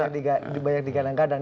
yang kemudian banyak digadang gadang